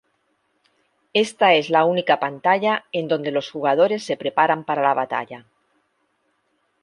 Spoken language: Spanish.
Esta es la única pantalla en donde los jugadores se preparan para la batalla.